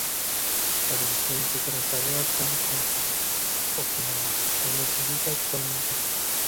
La división se trasladó a Camp Courtney, Okinawa, donde se ubica actualmente.